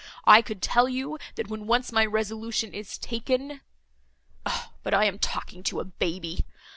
—I could tell you, that, when once my resolution is taken—but I am talking to a baby.